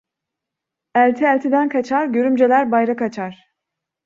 Elti eltiden kaçar, görümceler bayrak açar.